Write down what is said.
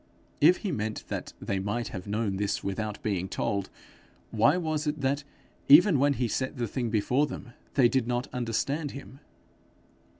If he meant that they might have known this without being told, why was it that, even when he set the thing before them, they did not understand him?